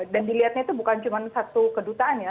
dan dilihatnya itu bukan cuma satu kedutaannya